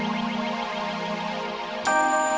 dente semangat telah hacerlo